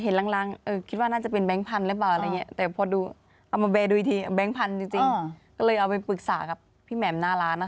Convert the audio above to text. หลังคิดว่าน่าจะเป็นแบงค์พันธุหรือเปล่าอะไรอย่างนี้แต่พอดูเอามาเบย์ดูอีกทีแบงค์พันธุ์จริงก็เลยเอาไปปรึกษากับพี่แหม่มหน้าร้านนะคะ